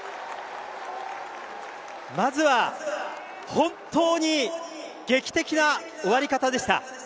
まずは本当に劇的な終わり方でした。